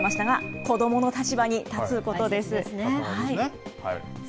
千さんも言ってましたが、子どもの立場に立つことです。